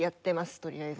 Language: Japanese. とりあえず。